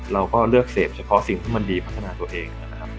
เราก็เลือกเสพเฉพาะสิ่งที่มันดีพัฒนาตัวเองนะครับ